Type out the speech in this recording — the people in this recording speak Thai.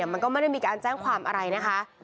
มันก็ไม่ได้มีการแจ้งความอะไรนะคะ